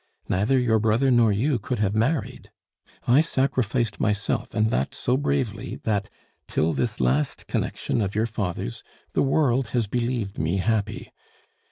Neither your brother nor you could have married. "I sacrificed myself, and that so bravely, that, till this last connection of your father's, the world has believed me happy.